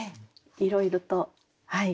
いろいろとはい。